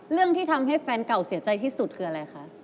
เรื่องที่ทำให้แฟนเก่าเสียใจที่สุดคืออะไรคะ